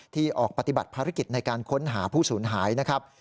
ที่ออกปฏิบัติภารกิจในการค้นหาผู้สูญหายนะครับ